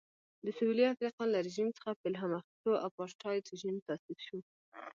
د سوېلي افریقا له رژیم څخه په الهام اخیستو اپارټایډ رژیم تاسیس شو.